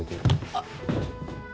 あっ。